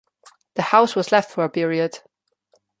The house was let for a period.